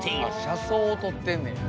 車窓を撮ってんねや。